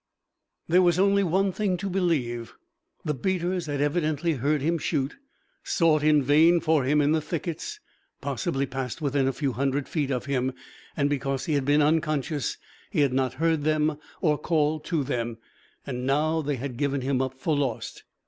There was only one thing to believe. The beaters had evidently heard him shoot, sought in vain for him in the thickets, possibly passed within a few hundred feet of him, and because he had been unconscious he had not heard them or called to them, and now they had given him up for lost.